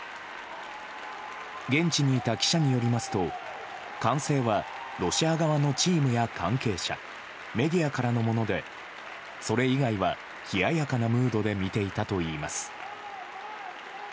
現地にいた記者によりますと歓声はロシア側のチームや関係者メディアからのものでそれ以外は冷ややかなムードで見ていたといいます。